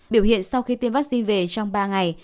biểu hiện sau khi tiêm vaccine về trong ba ngày